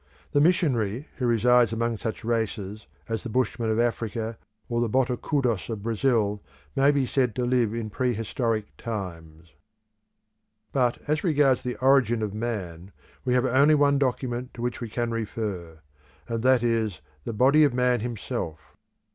The missionary who resides among such races as the Bushmen of Africa or the Botocudos of Brazil may be said to live in pre historic times. But as regards the origin of man, we have only one document to which we can refer; and that is the body of man himself.